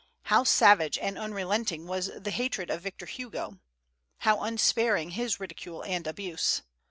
How savage and unrelenting was the hatred of Victor Hugo! How unsparing his ridicule and abuse!